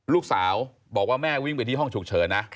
ลูกสาวบอกว่าแม่วิ่งไปที่ห้องฉุกเฉินนะ